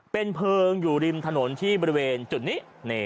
เป็นเพลิงอยู่ริมถนนที่บริเวณจุดนี้